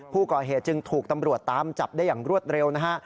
ผู้ก่อเหตุจึงถูกตำรวจตามจับได้อย่างรวดเร็วนะฮะ